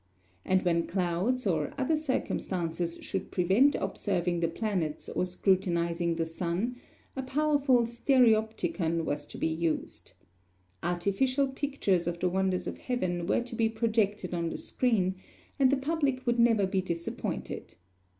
And when clouds or other circumstances should prevent observing the planets or scrutinizing the sun, a powerful stereopticon was to be used. Artificial pictures of the wonders of heaven were to be projected on the screen, and the public would never be disappointed.